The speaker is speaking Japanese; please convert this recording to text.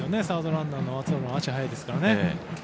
サードランナーの松原は足が速いですからね。